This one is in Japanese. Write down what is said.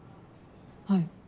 はい。